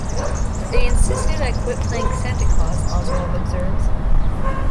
"They insisted I quit playing Santa Claus," Oswald observes.